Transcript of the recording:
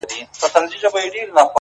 خپل د لاس څخه اشـــنــــــا؛